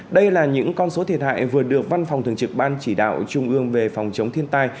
đây là những con số thiệt hại vừa được văn phòng thường trực ban chỉ đạo trung ương về phòng chống thiên tai